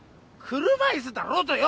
車椅子だろうとよ